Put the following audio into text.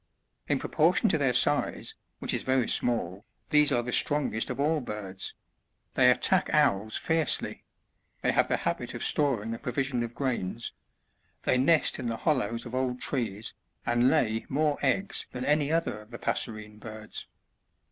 In proportion to their size, which is very small, these are the strongest of all birds ; they attack owls fiercely ; they have the habit of storing a provision of grains ; they nest in the hollows of old trees, and lay more eggs than any other of the passerine birds.